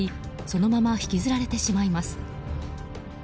そのまま引きずられてしまいます。